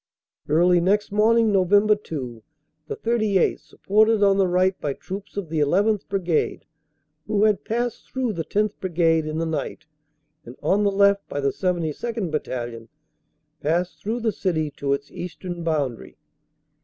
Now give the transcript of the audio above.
Early next morning, Nov. 2, the 38th., supported on the right by troops of the llth. Brigade, who had passed through the 10th. Brigade in the night, and on the left by the 72nd. Battalion, passed through the city to its eastern boundary.